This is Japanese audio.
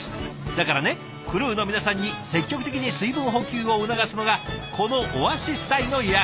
だからねクルーの皆さんに積極的に水分補給を促すのがこのオアシス隊の役目。